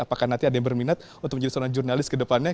apakah nanti ada yang berminat untuk menjadi seorang jurnalis ke depannya